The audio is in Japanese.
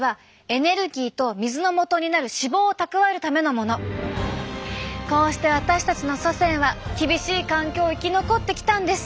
つまりこうして私たちの祖先は厳しい環境を生き残ってきたんです。